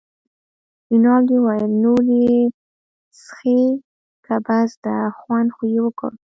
رینالډي وویل: نور یې څښې که بس ده، خوند خو یې وکړ.